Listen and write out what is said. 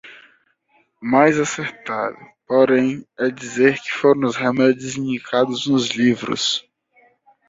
mais acertado, porém, é dizer que foram os remédios indicados nos livros.